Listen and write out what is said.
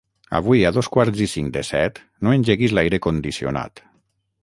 Avui a dos quarts i cinc de set no engeguis l'aire condicionat.